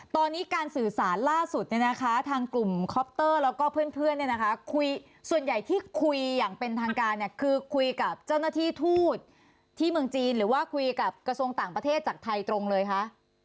ตอนนี้การสื่อสารล่าสุดเนี่ยนะคะทางกลุ่มคอปเตอร์แล้วก็เพื่อนเนี่ยนะคะคุยส่วนใหญ่ที่คุยอย่างเป็นทางการเนี่ยคือคุยกับเจ้าหน้าที่ทูตที่เมืองจีนหรือว่าคุยกับกระทรวงต่างประเทศจากไทยตรงเลยคะ